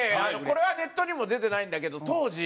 これはネットにも出てないんだけど当時。